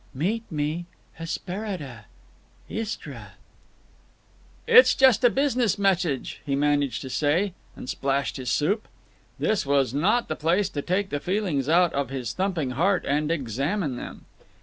Meet me Hesperida.—ISTRA. "It's just—a—a business message," he managed to say, and splashed his soup. This was not the place to take the feelings out of his thumping heart and examine them.